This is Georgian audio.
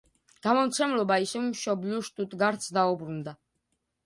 გამომცემლობა ისევ მშობლიურ შტუტგარტს დაუბრუნდა.